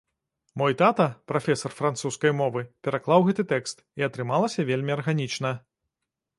Мой тата, прафесар французскай мовы, пераклаў гэты тэкст, і атрымалася вельмі арганічна.